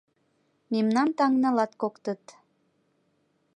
Мемнан таҥна латкоктыт.